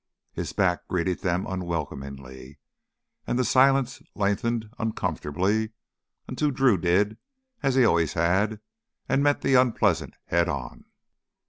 His back greeted them unwelcomingly, and the silence lengthened uncomfortably until Drew did as he always had and met the unpleasant head on.